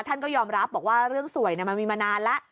ท่านก็ยอมรับบอกว่าเรื่องสวยมันมีมานานแล้ว